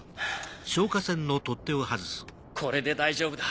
これで大丈夫だ。